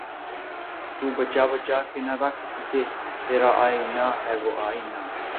تو بچا بچا کے نہ رکھ اسے ترا آئنہ ہے وہ آئنہ